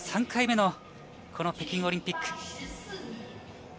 ３回目の北京オリンピック。